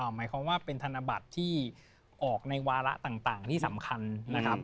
หมายความว่าเป็นธนบัตรที่ออกในวาระต่างที่สำคัญนะครับ